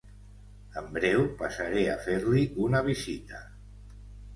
En breu passaré a fer-li una visita